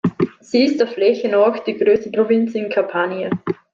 Sie ist der Fläche nach die größte Provinz in Kampanien.